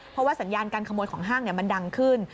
เพราะว่าสัญญาการขโมยของห้างมันดังขึ้น